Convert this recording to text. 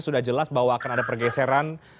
sudah jelas bahwa akan ada pergeseran